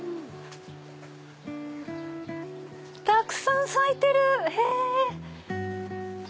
たくさん咲いてる！